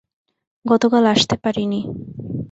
গতকাল আসতে পারিনি।